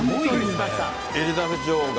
エリザベス女王が。